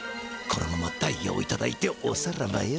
このままダイヤをいただいておさらばよ。